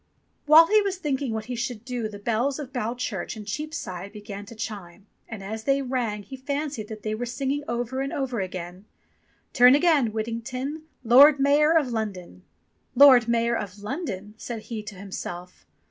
While he was thinking what he should do the Bells of Bow Church in Cheapside began to chime, and as they rang he fancied that they were singing over and over again : "Turn again, Whittington, Lord Mayor of London." "Lord Mayor of London !" said he to himself.